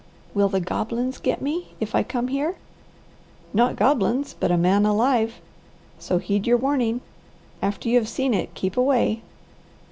"Will the 'goblins git me' if I come here?" "Not goblins, but a man alive; so heed your warning. After you have seen it, keep away."